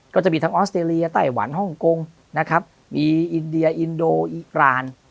ก็จะมีทั้งออสเตรเลียไต้หวันฮ่องกงนะครับมีอินเดียอินโดอีราน